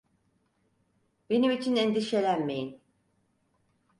Benim için endişelenmeyin.